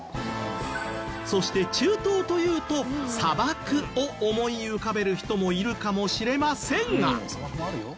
そして中東というと砂漠を思い浮かべる人もいるかもしれませんが。